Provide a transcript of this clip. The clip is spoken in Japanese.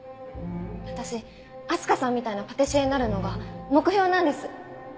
私明日香さんみたいなパティシエになるのが目標なんです！